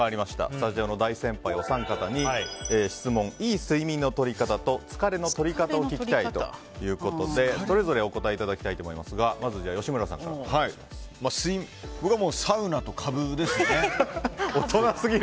スタジオの大先輩お三方にいい睡眠のとり方と疲れのとり方を聞きたいということでそれぞれお答えいただきたいと思いますが僕はサウナと株ですね。